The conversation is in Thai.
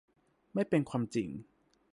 ไม่เป็นความจริง